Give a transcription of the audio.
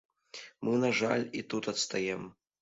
Мы, на жаль, і тут адстаем.